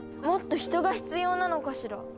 もっと人が必要なのかしら？